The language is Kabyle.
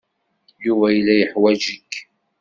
Yuba yella yeḥwaj-ik.